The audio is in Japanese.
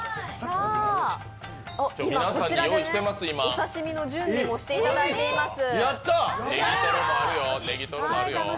今、こちらでお刺身の準備もしていただいています。